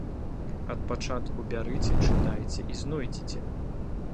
Ад пачатку бярыце, чытайце і знойдзеце.